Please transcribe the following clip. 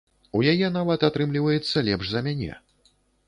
У яе нават атрымліваецца лепш за мяне.